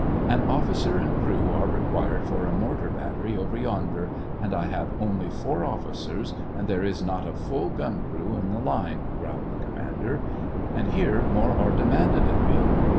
*' An officer and crew are required for a mortar battery over yonder, and I have only four officers, and there is not a full gun crew in the line," growled the commander :" and here more are demanded of me.